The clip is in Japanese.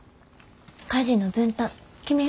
家事の分担決めよ。